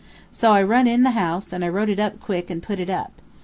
So I run in the house, and wrote it quick and put it up.